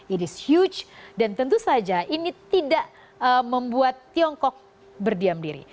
it is huch dan tentu saja ini tidak membuat tiongkok berdiam diri